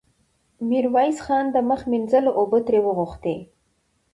ميرويس خان د مخ مينځلو اوبه ترې وغوښتې.